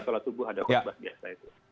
sholat tubuh ada khutbah biasa itu